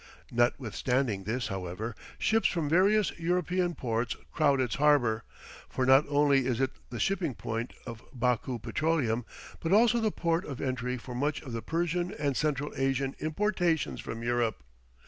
Notwithstanding this, however, ships from various European ports crowd its harbor, for not only is it the shipping point of Baku petroleum, but also the port of entry for much of the Persian and Central Asian importations from Europe.